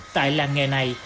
tại làng nghề này